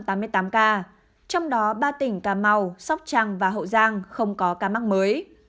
trong đó ba tỉnh cà mau sóc trăng và hậu giang không có ca mắc mới